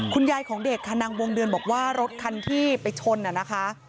คุณยายของเด็กค่ะนางวงเดือนบอกว่ารถคันที่ไปชนนะคะ